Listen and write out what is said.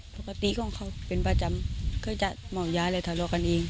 ปกติของเขาเป็นประจำเค้าจะเหงาเอยาแต่ทะโลกันเอง